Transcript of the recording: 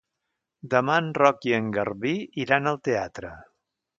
Demà en Roc i en Garbí iran al teatre.